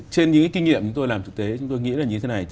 trên những kinh nghiệm chúng tôi làm thực tế chúng tôi nghĩ là như thế này